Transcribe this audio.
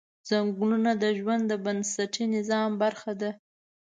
ځنګلونه د ژوند د بنسټي نظام برخه ده